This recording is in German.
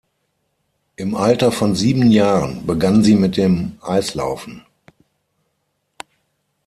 Im Alter von sieben Jahren begann sie mit dem Eislaufen.